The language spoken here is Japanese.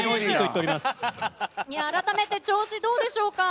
あらためて、調子はどうでしょうか？